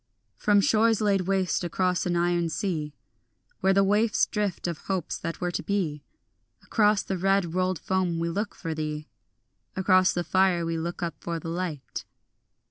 From shores laid waste across an iron sea Where the waifs drift of hopes that were to be, Across the red rolled foam we look for thee, Across the fire we look up for the light.